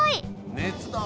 熱だ！